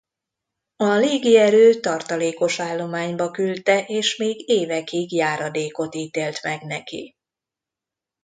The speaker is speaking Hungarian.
A légierő tartalékos állományba küldte és még évekig járadékot ítélt meg neki.